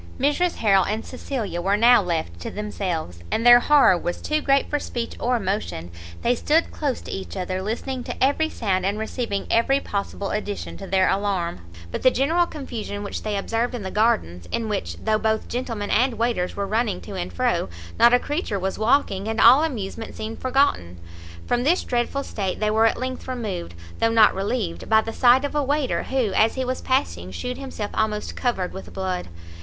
Mrs Harrel and Cecilia were now left to themselves, and their horror was too great for speech or motion; they stood close to each other, listening to every sound and receiving every possible addition to their alarm, by the general confusion which they observed in the gardens, in which, though both gentlemen and waiters were running to and fro, not a creature was walking, and all amusement seemed forgotten. From this dreadful state they were at length removed, though not relieved, by the sight of a waiter, who, as he was passing shewed himself almost covered with blood!